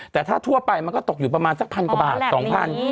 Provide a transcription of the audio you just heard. แต่ถ้าทั่วไปมันก็ตกอยู่ประมาณสักพันกว่าบาท๒๐๐บาท